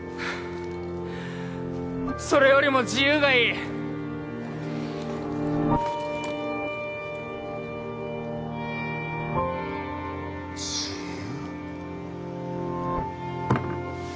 それよりも自由がいい自由？